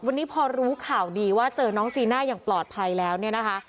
วันนี้พอรู้ข่าวดีว่าเจอน้องจีน่าอย่างปลอดภัยแล้วเนี่ยนะคะ